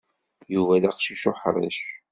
Yuba d aqcic uḥṛic.